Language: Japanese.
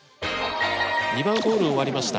２番ホール終わりました。